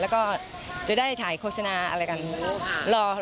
แล้วก็จะได้ถ่ายโฆษณาอะไรกันอืมรอค่ะ